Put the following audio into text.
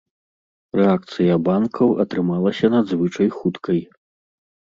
Рэакцыя банкаў атрымалася надзвычай хуткай.